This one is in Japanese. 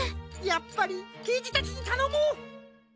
やっぱりけいじたちにたのもう！